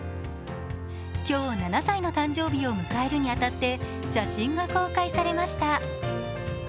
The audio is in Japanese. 今日７歳の誕生日を迎えるに当たって写真が公開されました。